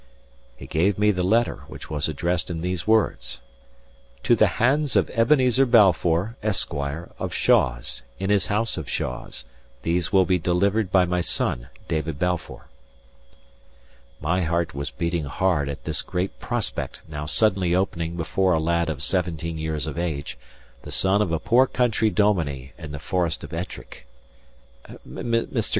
He gave me the letter, which was addressed in these words: "To the hands of Ebenezer Balfour, Esquire, of Shaws, in his house of Shaws, these will be delivered by my son, David Balfour." My heart was beating hard at this great prospect now suddenly opening before a lad of seventeen years of age, the son of a poor country dominie in the Forest of Ettrick. "Mr.